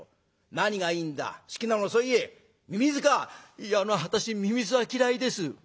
「いやあの私ミミズは嫌いです」。